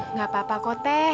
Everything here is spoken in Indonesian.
nggak apa apa kote